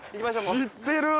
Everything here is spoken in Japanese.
知ってる！